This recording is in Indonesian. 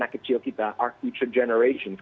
anak kecil kita generasi depan kita